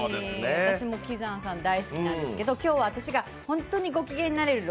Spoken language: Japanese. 私も喜山さん大好きなんですけど、今日は私が本当にごきげんになれるもの